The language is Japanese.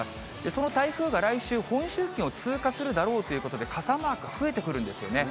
その台風が来週、本州付近を通過するだろうということで、傘マークが増えてくるんですよね。